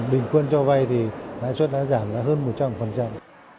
bình quân cho vay thì lãi suất đã giảm hơn một trăm linh